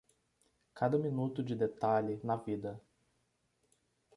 Cada minuto de detalhe na vida